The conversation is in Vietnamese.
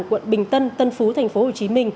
quận bình tân tân phú tp hcm